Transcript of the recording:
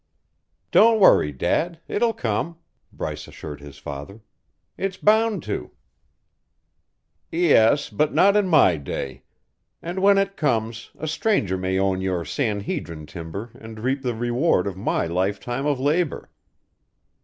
"Don't worry, Dad. It will come," Bryce assured his father. "It's bound to." "Yes, but not in my day. And when it comes, a stranger may own your San Hedrin timber and reap the reward of my lifetime of labour."